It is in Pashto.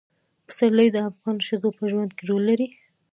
پسرلی د افغان ښځو په ژوند کې رول لري.